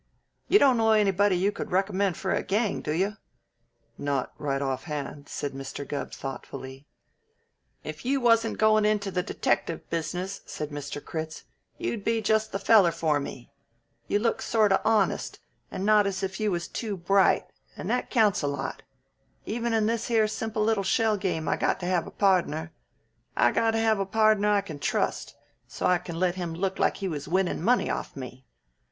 You don't know anybody you could recommend for a gang, do you?" "Not right offhand," said Mr. Gubb thoughtfully. [Illustration: "THIS SHELL GAME IS EASY ENOUGH WHEN YOU KNOW HOW"] "If you wasn't goin' into the detective business," said Mr. Critz, "you'd be just the feller for me. You look sort of honest and not as if you was too bright, and that counts a lot. Even in this here simple little shell game I got to have a podner. I got to have a podner I can trust, so I can let him look like he was winnin' money off of me.